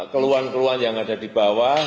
keluhan keluhan yang ada di bawah